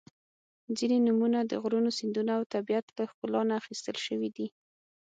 • ځینې نومونه د غرونو، سیندونو او طبیعت له ښکلا نه اخیستل شوي دي.